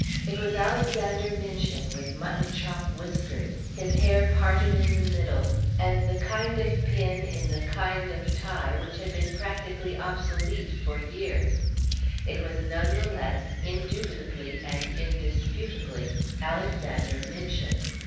It was Alexander Minchin with mutton chop whiskers, his hair parted in the middle, and the kind of pin in the kind of tie which had been practically obsolete for years; it was none the less indubitably and indisputably Alexander Minchin.